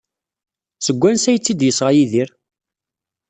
Seg wansi ay tt-id-yesɣa Yidir?